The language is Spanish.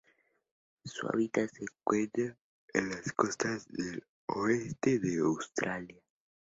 Su hábitat se encuentra en las costas del oeste de Australia.